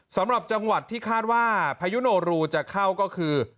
สำหรับจังหวัดที่คาดว่าพายุโนรูจะเข้าก็คือ